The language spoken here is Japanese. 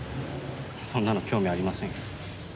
そんなの興味ありませんよ。